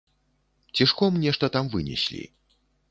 Цішком нешта там вынеслі.